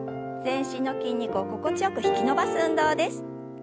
全身の筋肉を心地よく引き伸ばす運動です。